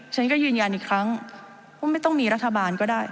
ฉันก็ยืนยันอีกครั้งว่าไม่ต้องมีรัฐบาลก็ได้